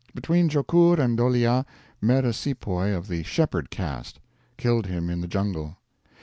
"Between Jokur and Dholeea met a sepoy of the shepherd caste; killed him in the jungle.